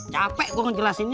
capek gue ngejelasinnya